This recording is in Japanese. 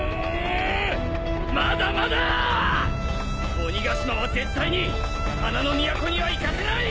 鬼ヶ島は絶対に花の都には行かせない！